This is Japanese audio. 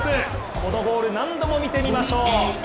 このゴール何度も見てみましょう。